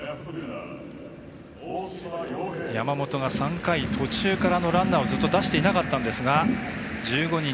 山本が３回途中からランナーをずっと出していなかったんですが１５人